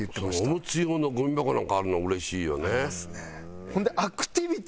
おむつ用のゴミ箱なんかあるのうれしいよね。